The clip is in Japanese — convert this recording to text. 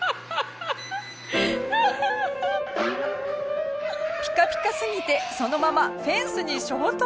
ピカピカすぎてそのままフェンスに衝突！